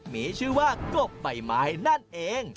มีชื่อว่ากบใบไม้นั่นเอง